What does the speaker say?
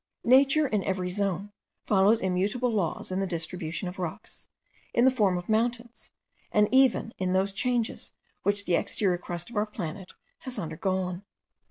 Nature in every zone follows immutable laws in the distribution of rocks, in the form of mountains, and even in those changes which the exterior crust of our planet has undergone.